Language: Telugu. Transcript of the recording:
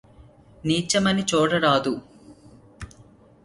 నీచమని చూడరాదు